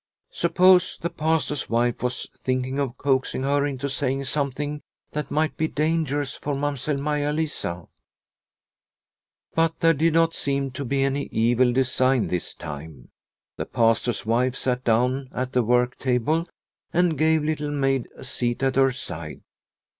Suppose the Pastor's wife was thinking of coaxing her into saying something that might be dangerous for Mamsell Maia Lisa ? But there did not seem to be any evil design this time. The Pastor's wife sat down at the work table and gave Little Maid a seat at her side.